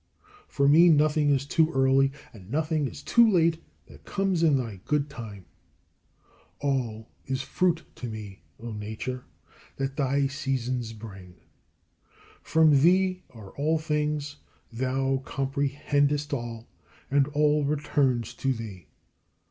For me nothing is too early and nothing is too late that comes in thy good time. All is fruit to me, O Nature, that thy seasons bring. From thee are all things, thou comprehendest all, and all returns to thee.